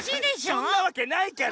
そんなわけないから。